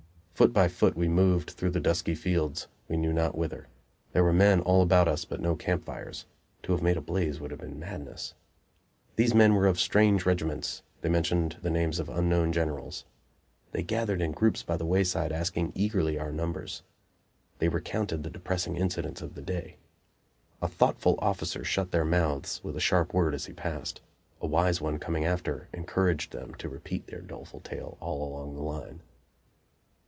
Foot by foot we moved through the dusky fields, we knew not whither. There were men all about us, but no camp fires; to have made a blaze would have been madness. The men were of strange regiments; they mentioned the names of unknown generals. They gathered in groups by the wayside, asking eagerly our numbers. They recounted the depressing incidents of the day. A thoughtful officer shut their mouths with a sharp word as he passed; a wise one coming after encouraged them to repeat their doleful tale all along the line.